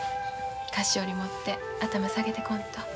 菓子折持って頭下げてこんと。